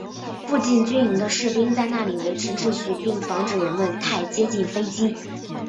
附近军营的士兵在那里维持秩序并防止人们太接近飞机。